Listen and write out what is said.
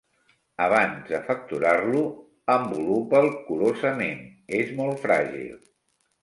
Abans de facturar-lo, envolupa'l curosament: és molt fràgil.